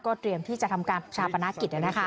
ก็เตรียมที่จะทำการปลูกชาวประนาคต